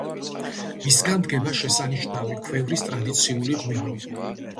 მისგან დგება შესანიშნავი ქვევრის ტრადიციული ღვინო.